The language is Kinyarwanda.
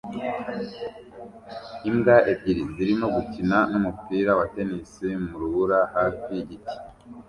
Imbwa ebyiri zirimo gukina numupira wa tennis mu rubura hafi yigiti